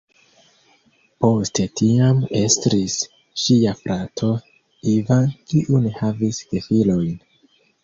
Poste tiam estris ŝia frato "Ivan", kiu ne havis gefilojn.